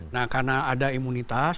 nah karena ada imunitas